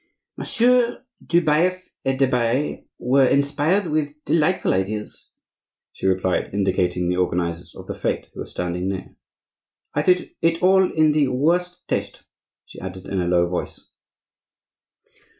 "Messieurs du Baif et du Bellay were inspired with delightful ideas," she replied, indicating the organizers of the fete, who were standing near. "I thought it all in the worst taste," she added in a low voice.